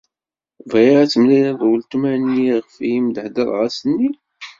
Bɣiɣ ad temlileḍ uletma-nni iɣef i m-d-hedreɣ ass-nni.